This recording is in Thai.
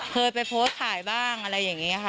เคยไปโพสต์ขายบ้างอะไรอย่างนี้ค่ะ